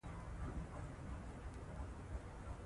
لیکوال خپل د سفر لیدلی حال بیان کړی.